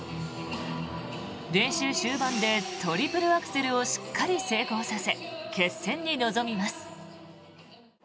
練習終盤でトリプルアクセルをしっかり成功させ決戦に臨みます。